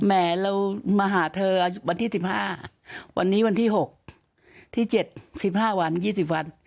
แม่เรามาหาเธอวันที่สิบห้าวันนี้วันที่หกที่เจ็ดสิบห้าวันยี่สิบวัน